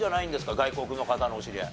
外国の方のお知り合い。